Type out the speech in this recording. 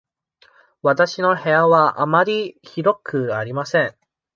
わたしの部屋はあまり広くありません。